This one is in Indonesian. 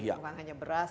bukan hanya beras